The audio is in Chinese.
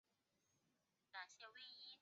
武安州在唐朝是沃州地。